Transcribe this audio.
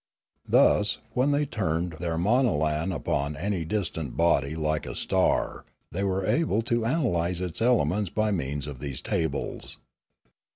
Thus when they turned their monalan upon any distant body like a star they were able to analyse its elements by means of these tables.